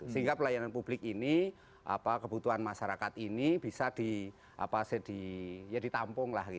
sehingga pelayanan publik ini kebutuhan masyarakat ini bisa ditampung lah